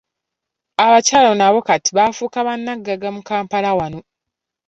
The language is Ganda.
Abakyala n’abo kati bafuuka bannaggagga mu Kampala wano.